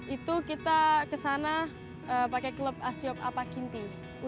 itu kita ke sana pakai klub asiop apakinti